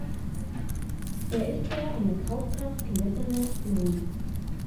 Er ist der an der Kaufkraft gemessene Lohn.